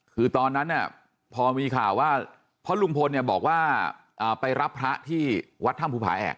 คือตอนนั้นพอมีข่าวว่าเพราะลุงพลเนี่ยบอกว่าไปรับพระที่วัดถ้ำภูผาแอก